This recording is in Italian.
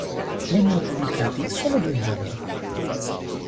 Vennero pubblicato solo due numeri.